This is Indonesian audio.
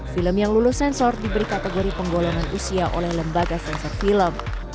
film yang lulus sensor diberi kategori penggolongan usia oleh lembaga sensor film